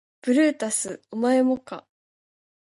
ブルータスお前もか